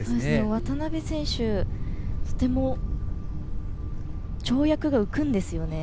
渡部選手、とても跳躍が浮くんですよね。